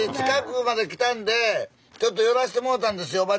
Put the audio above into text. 近くまで来たんでちょっと寄らせてもうたんですよ